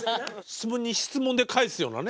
質問に質問で返すようなね。